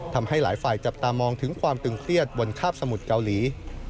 ทำให้หลายฝ่ายจับตามองถึงความตึงเครียดบนคาบสมุทรเกาหลี